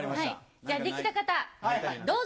じゃできた方どうぞ！